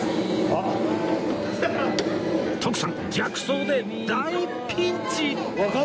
徳さん逆走で大ピンチ！